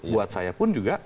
buat saya pun juga